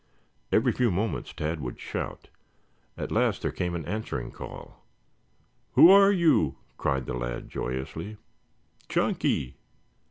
Every few moments Tad would shout. At last there came an answering call. "Who are you?" cried the lad joyously. "Chunky!"